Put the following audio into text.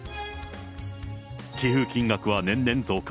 寄付金額は年々増加。